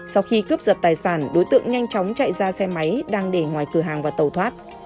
sau khi cướp giật tài sản đối tượng nhanh chóng chạy ra xe máy đang để ngoài cửa hàng và tàu thoát